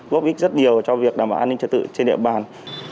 góp ích rất nhiều cho việc đảm bảo an ninh trật tự trên địa bàn